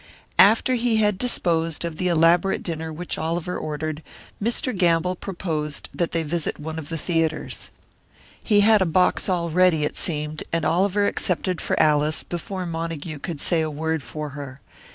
After he had disposed of the elaborate dinner which Oliver ordered, Mr. Gamble proposed that they visit one of the theatres. He had a box all ready, it seemed, and Oliver accepted for Alice before Montague could say a word for her.